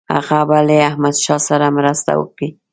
هغه به له احمدشاه سره مرسته وکړي.